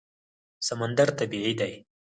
سمندر طبیعي دی.